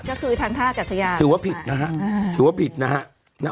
ก็คือทางท่ากัสยาถือว่าผิดนะฮะถือว่าผิดนะฮะ